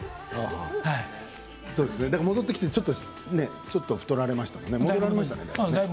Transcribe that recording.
戻ってきて、ちょっと太られましたもんね。